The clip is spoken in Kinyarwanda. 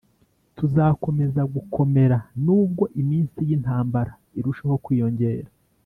Tuzakomeza gukomera nubwo iminsi y’intambara irushaho kwiyongera